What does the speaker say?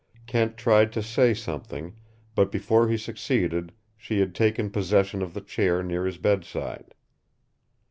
Kent tried to say something, but before he succeeded she had taken possession of the chair near his bedside.